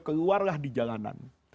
keluarlah di jalanan